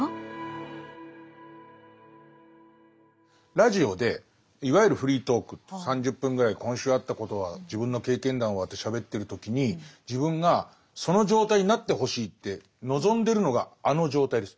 ラジオでいわゆるフリートークって３０分ぐらい今週あったことは自分の経験談はってしゃべってる時に自分がその状態になってほしいって望んでるのがあの状態です。